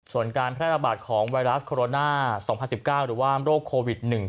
ส่วนการแพร่ระบาดของไวรัสโคโรนา๒๐๑๙หรือว่าโรคโควิด๑๙